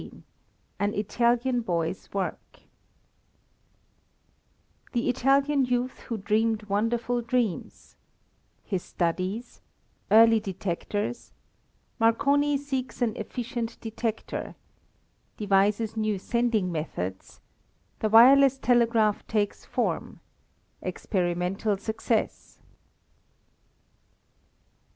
XVI AN ITALIAN BOY'S WORK The Italian Youth who Dreamed Wonderful Dreams His Studies Early Detectors Marconi Seeks an Efficient Detector Devises New Sending Methods The Wireless Telegraph Takes Form Experimental Success.